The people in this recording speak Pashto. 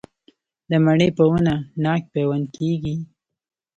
د مڼې په ونه ناک پیوند کیږي؟